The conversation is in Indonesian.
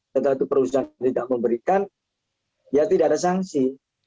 setelah itu perusahaan tidak memberikan ya tidak ada sanksi